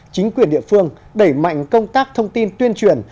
chính quyền địa phương đẩy mạnh công tác thông tin tuyên truyền